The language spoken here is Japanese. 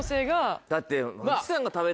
だって。